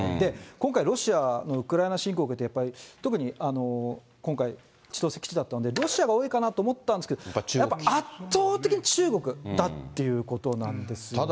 今回、ロシアのウクライナ侵攻を受けて、やっぱり特に今回、千歳基地だったので、ロシアが多いかなと思ったんですけど、やっぱ圧倒的に中国だっていうことなんですよね。